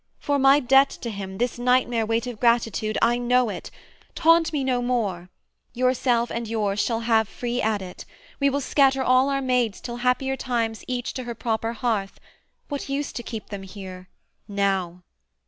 For my debt to him, This nightmare weight of gratitude, I know it; Taunt me no more: yourself and yours shall have Free adit; we will scatter all our maids Till happier times each to her proper hearth: What use to keep them here now?